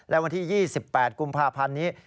และวันที่๒๘กุมภาพันธ์นี้